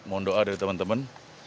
mohon doa dari teman teman